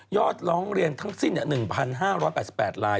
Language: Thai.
ร้องเรียนทั้งสิ้น๑๕๘๘ลาย